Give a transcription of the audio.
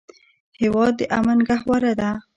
هېواد د امن ګهواره ده.